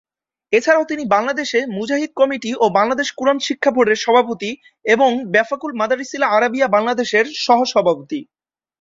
এছাড়াও তিনি বাংলাদেশ মুজাহিদ কমিটি ও বাংলাদেশ কুরআন শিক্ষা বোর্ডের সভাপতি এবং বেফাকুল মাদারিসিল আরাবিয়া বাংলাদেশের সহ-সভাপতি।